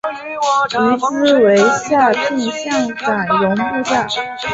于兹为下邳相笮融部下。